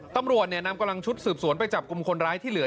ตำรวจนำกำลังชุดสืบสวนไปจับกลุ่มคนร้ายที่เหลือ